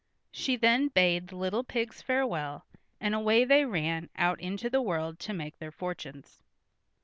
She then bade the little pigs farewell, and away they ran out into the world to make their fortunes.